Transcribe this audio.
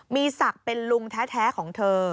มีศักดิ์เป็นลุงแท้ของเธอ